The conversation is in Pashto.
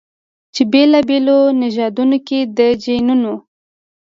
چې بېلابېلو نژادونو کې د جینونو